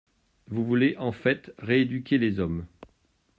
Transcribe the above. Vous voulez en fait rééduquer les hommes.